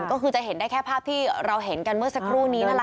ก็คือจะเห็นได้แค่ภาพที่เราเห็นกันเมื่อสักครู่นี้นั่นแหละ